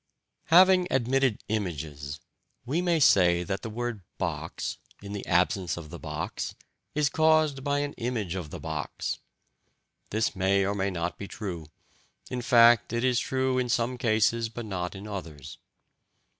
Having admitted images, we may say that the word "box," in the absence of the box, is caused by an image of the box. This may or may not be true in fact, it is true in some cases but not in others.